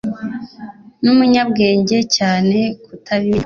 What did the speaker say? ni umunyabwenge cyane kutabimenya